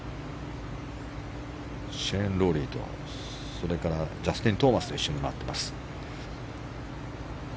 シェーン・ロウリーとジャスティン・トーマスと一緒に回っています。